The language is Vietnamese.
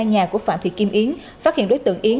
nhà của phạm thị kim yến phát hiện đối tượng yến